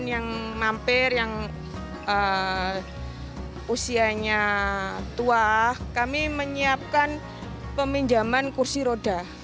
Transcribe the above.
yang mampir yang usianya tua kami menyiapkan peminjaman kursi roda